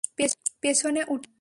পেছনে উঠে পড়।